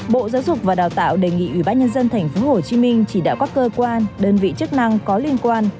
bộ giáo dục và đào tạo đề nghị ubnd tp hcm chỉ đạo các cơ quan đơn vị chức năng có liên quan